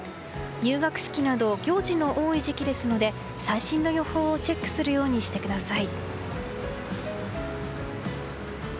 入学式など行事の多い時期ですので最新の予報をチェックするようにしてください。